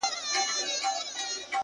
نسه ـ نسه جام د سوما لیري کړي ـ